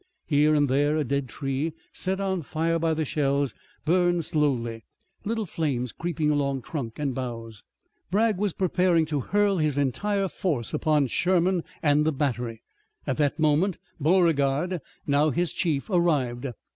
Here and there a dead tree, set on fire by the shells, burned slowly, little flames creeping along trunk and boughs. Bragg was preparing to hurl his entire force upon Sherman and the battery. At that moment Beauregard, now his chief, arrived.